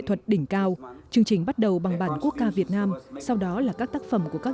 thuật đỉnh cao chương trình bắt đầu bằng bản quốc ca việt nam sau đó là các tác phẩm của các